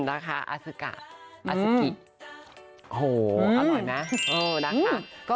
อาซุกะอาซุกิโหอร่อยมั้ย